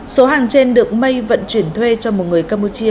số hàng trên được mây vận chuyển thuê cho một người campuchia